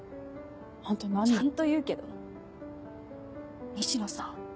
あんた何ちゃんと言うけど西野さん